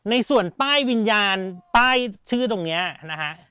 ในส่วนป้ายวิญญาณป้ายชื่อตรงนี้นะฮะ